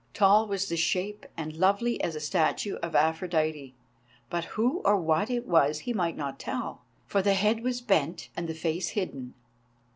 Tall was the shape and lovely as a statue of Aphrodite; but who or what it was he might not tell, for the head was bent and the face hidden.